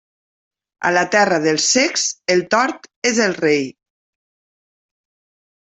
A la terra dels cecs, el tort és rei.